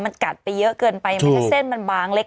มันกัดไปเยอะเกินไปไหมถ้าเส้นมันบางเล็ก